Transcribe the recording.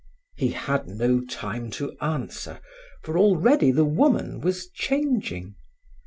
He had no time to answer, for already the woman was changing.